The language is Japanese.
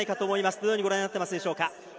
どのようにご覧になっていますでしょうか。